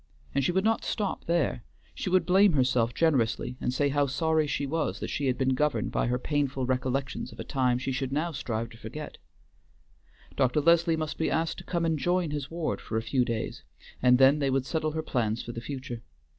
And she would not stop there; she would blame herself generously and say how sorry she was that she had been governed by her painful recollections of a time she should now strive to forget. Dr. Leslie must be asked to come and join his ward for a few days, and then they would settle her plans for the future.